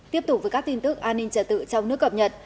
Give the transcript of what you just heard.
tiếp tục với các tin tức an ninh trả tự trong nước cập nhật